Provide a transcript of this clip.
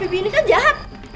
baby ini kan jahat